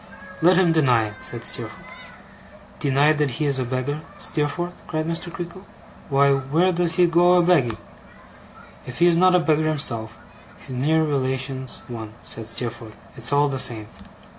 'Let him deny it,' said Steerforth. 'Deny that he is a beggar, Steerforth?' cried Mr. Creakle. 'Why, where does he go a begging?' 'If he is not a beggar himself, his near relation's one,' said Steerforth. 'It's all the same.